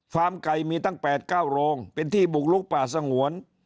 ไก่มีตั้ง๘๙โรงเป็นที่บุกลุกป่าสงวน